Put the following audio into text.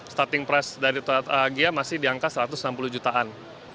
starting price dari toyota agia masih di angka satu ratus enam puluh jutaan